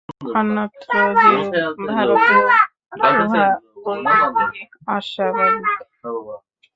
অন্যত্র যেরূপ, ভারতেও উহা ঐরূপই অস্বাভাবিক।